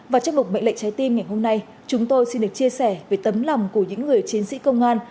và trong mục mệnh lệ trái tim ngày hôm nay chúng tôi xin được chia sẻ về tấm lòng của những người chiến sĩ công an